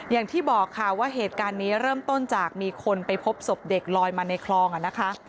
อย่างที่บอกค่ะว่าเหตุการณ์นี้เริ่มต้นจากมีคนไปพบศพเด็กลอยมาในคลองนะคะ